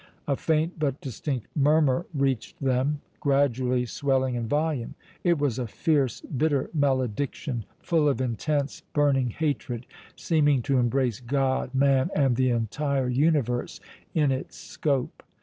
A faint, but distinct murmur reached them, gradually swelling in volume. It was a fierce, bitter malediction, full of intense, burning hatred, seeming to embrace God, man and the entire universe in its scope.